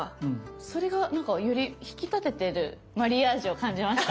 それがなんかより引き立ててるマリアージュを感じました。